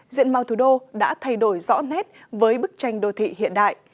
diện mau thủ đô đã thay đổi rõ nét với bức tranh đô thị hiện đại